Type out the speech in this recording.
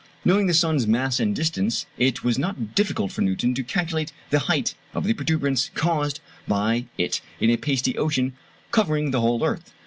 Knowing the sun's mass and distance, it was not difficult for Newton to calculate the height of the protuberance caused by it in a pasty ocean covering the whole earth.